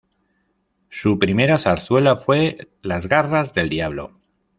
Su primera zarzuela fue "Las garras del diablo".